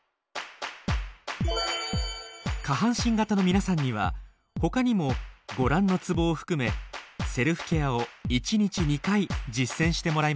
下半身型の皆さんにはほかにもご覧のツボを含めセルフケアを１日２回実践してもらいました。